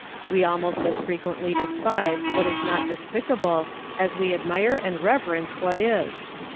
We almost as frequently despise what is not despicable as we admire and reverence what is.